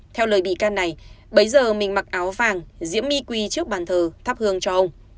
theo lời bị can này bấy giờ mình mặc áo vàng diễm my quy trước bàn thờ thắp hương cho ông